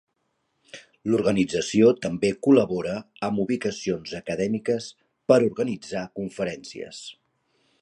L'organització també col·labora amb ubicacions acadèmiques per organitzar conferències.